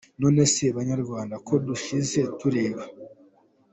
None se banyarwanda ko dushize tureba?